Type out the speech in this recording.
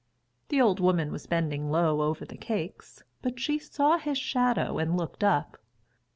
The old woman was bending low over the cakes, but she saw his shadow and looked up.